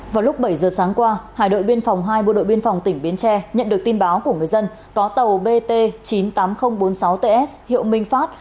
vào lúc bảy giờ sáng qua hải đội biên phòng hai bộ đội biên phòng tỉnh bến tre nhận được tin báo của người dân có tàu bt chín mươi tám nghìn bốn mươi sáu ts hiệu minh phát